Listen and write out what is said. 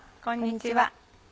こんにちは。